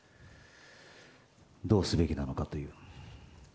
どうすべきなのかという。